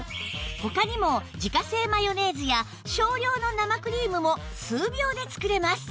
他にも自家製マヨネーズや少量の生クリームも数秒で作れます